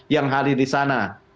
yang hadir di sana